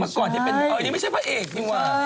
ไม่ใช่เออนี่ไม่ใช่พระเอกนี่วะ